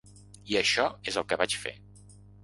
I això és el que vaig fer.